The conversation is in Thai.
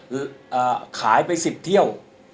คือขายไป๑๐เที่ยว